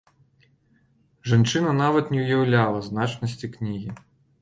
Жанчына нават не ўяўляла значнасці кнігі.